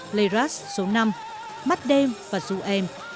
playrush số năm mắt đêm và dù em